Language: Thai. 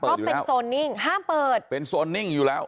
เพราะเป็นโซนนิ่งห้ามเปิดเป็นโซนนิ่งอยู่แล้ว